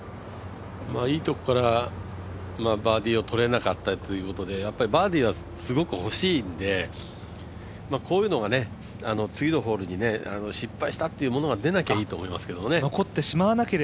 いいところからバーディーを取れなかったということで、バーディーはすごく欲しいのでこういうのが次のホールに失敗したっていうものが出なきゃいいと思いますけどね。